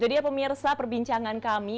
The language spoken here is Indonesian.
jadi pemirsa perbincangan kami